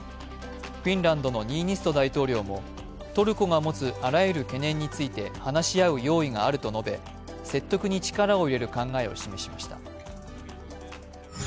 フィンランドのニーニスト大統領もトルコが持つあらゆる懸念について話し合う用意があると述べ説得に力を入れる考えを示しました。